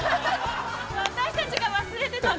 ◆私たちが忘れてたね。